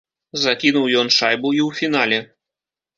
Закінуў ён шайбу і ў фінале.